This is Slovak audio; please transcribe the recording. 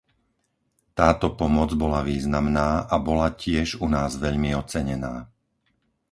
Táto pomoc bola významná, a bola tiež u nás veľmi ocenená.